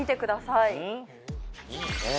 いいね！